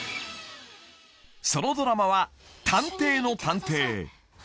［そのドラマは『探偵の探偵』］